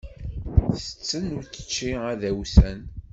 Ttetten učči adawsan.